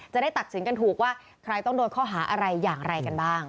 จะได้ตัดสินกันถูกว่าใครต้องโดนข้อหาอะไรอย่างไรกันบ้าง